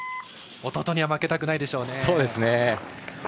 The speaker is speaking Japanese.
弟には負けたくないでしょうね。